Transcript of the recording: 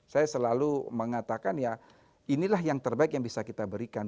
saya selalu mengatakan ya inilah yang terbaik yang bisa kita berikan